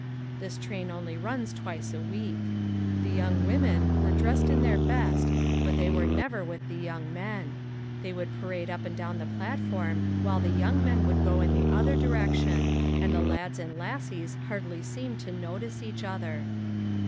This train only runs twice a week. The young women were dressed in their best but they were never with the young men. They would parade up and down the platform while the young men would go in the other direction and the lads and lassies hardly seemed to notice each other.